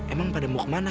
emang pada mau kemana